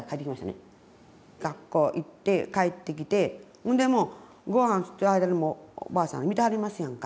学校行って帰ってきてほんでもうごはん作ってる間にもうおばあさん見てはりますやんか。